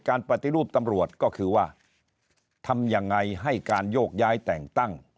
ปฏิรูปตำรวจก็คือว่าทำยังไงให้การโยกย้ายแต่งตั้ง